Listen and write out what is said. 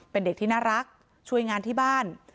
เป็นเด็กที่น่ารักช่วยงานที่บ้าน